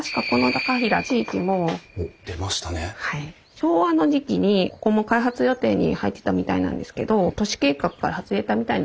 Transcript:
昭和の時期にここも開発予定に入ってたみたいなんですけど都市計画から外れたみたいなんですよ。